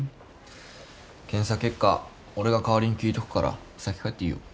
検査結果俺が代わりに聞いとくから先帰っていいよ。